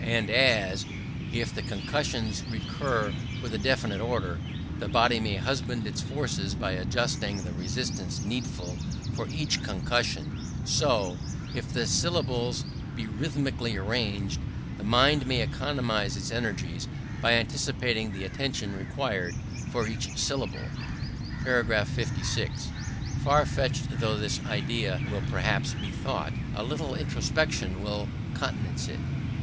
And as, if the concussions recur in a definite order, the body may husband its forces by adjusting the resistance needful for each concussion; so, if the syllables be rhythmically arranged, the mind may economize its energies by anticipating the attention required for each syllable. § 56. Far fetched though this idea will perhaps be thought, a little introspection will countenance it.